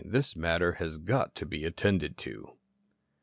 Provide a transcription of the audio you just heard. This matter has got to be attended to."